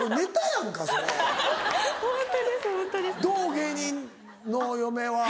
芸人の嫁は。